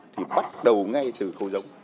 thì bắt đầu ngay từ câu giống